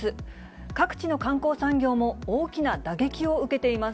各地の観光産業も大きな打撃を受けています。